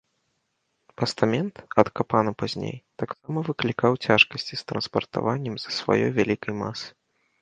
Пастамент, адкапаны пазней, таксама выклікаў цяжкасці з транспартаваннем з-за сваёй вялікай масы.